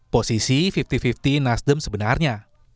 posisi lima puluh lima puluh nasdem sebenarnya